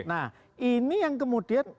nah ini yang kemudian